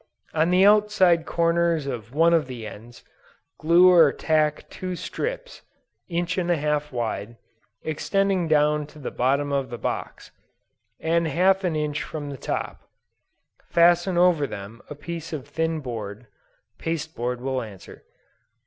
On the outside corners of one of the ends, glue or tack two strips, inch and a half wide, extending down to the bottom of the box, and half an inch from the top; fasten over them a piece of thin board, (paste board will answer.)